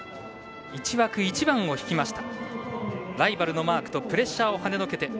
１枠１番を引きました。